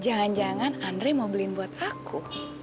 jangan jangan andre mau beliin buat aku